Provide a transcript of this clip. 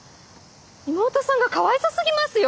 妹さんがかわいそすぎますよ。